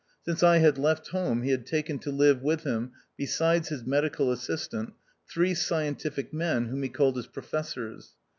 Since I had left home he had taken to live with him, besides his medical assistant, three scientific men, whom he called his Profes sors.